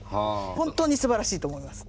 本当にすばらしいと思います。